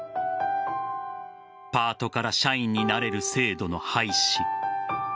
パートから社員になれる制度の廃止。